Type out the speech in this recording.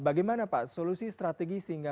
bagaimana pak solusi strategi sehingga